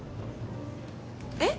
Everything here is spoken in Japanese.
えっ。